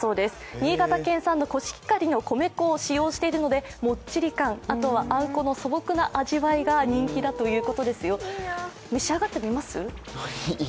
新潟県産のコシヒカリの米粉を使用しているのでもっちり感、あとはあんこの素朴な味わいが人気だということですよ。